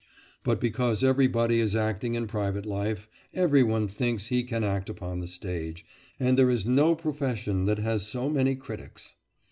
But because everybody is acting in private life, every one thinks he can act upon the stage, and there is no profession that has so many critics.